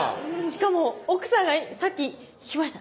しかも奥さんがさっき聞きました？